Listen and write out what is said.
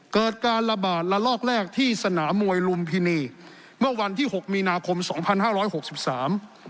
เกิดการระบาดระลอกแรกที่สนามมวยลุมพินีเมื่อวันที่หกมีนาคมสองพันห้าร้อยหกสิบสาม